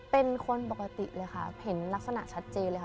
เป็นคนปกติเลยค่ะเห็นลักษณะชัดเจนเลยค่ะ